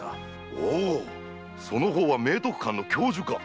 おおその方は明徳館の教授か。